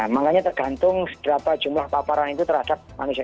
makanya tergantung seberapa jumlah paparan itu terhadap manusia